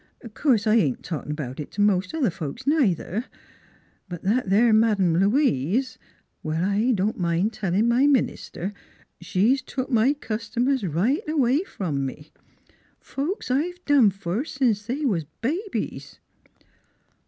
... Course I ain't talkin' 'bout it t' most other folks, neither; but that there Madam Louise well, I don't mind tellin' my minister she's took my cust'mers right away from me : folks I'd done fer sense they was babies."